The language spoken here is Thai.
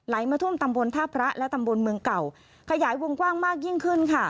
มาท่วมตำบลท่าพระและตำบลเมืองเก่าขยายวงกว้างมากยิ่งขึ้นค่ะ